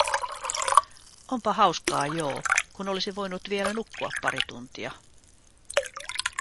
Onpa hauskaa joo, kun olisin voinut vielä nukkua pari tuntia.